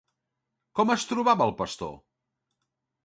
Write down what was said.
Com es trobava el pastor?